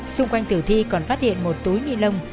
xung quanh tử thi còn phát hiện một túi ni lông